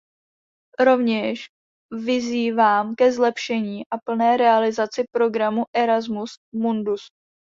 Rovněž vyzývám ke zlepšení a plné realizaci programu Erasmus Mundus.